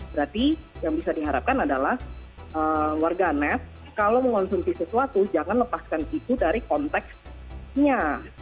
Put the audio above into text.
berarti yang bisa diharapkan adalah warga net kalau mengonsumsi sesuatu jangan lepaskan itu dari konteksnya